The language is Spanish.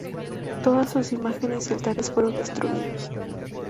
Todas sus imágenes y altares fueron destruidos.